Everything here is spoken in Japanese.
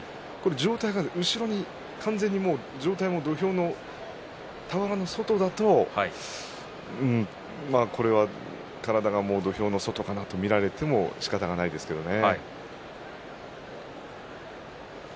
上体が後ろに完全に土俵の俵の外だとこれは体が土俵の外かなと見られてもしかたがないですけどね。